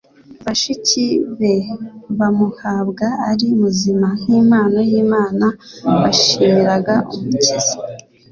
Bashiki be bamuhabwa ari muzima nk'impano y'Imana, bashimiraga Umukiza,